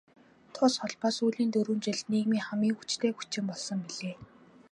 Тус холбоо сүүлийн дөрвөн жилд нийгмийн хамгийн хүчтэй хүчин болсон билээ.